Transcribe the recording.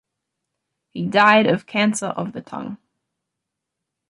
He died of cancer of the tongue.